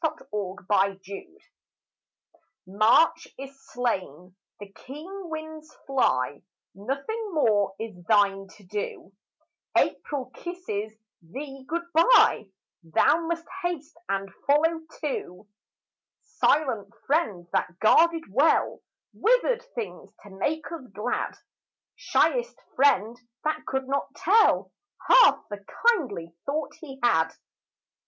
GOD SPEED TO THE SNOW March is slain; the keen winds fly; Nothing more is thine to do; April kisses thee good bye; Thou must haste and follow too; Silent friend that guarded well Withered things to make us glad, Shyest friend that could not tell Half the kindly thought he had.